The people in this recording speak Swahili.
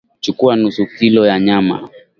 Chukua nusu kilo ya nyama